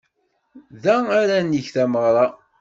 Da ara neg tameɣra.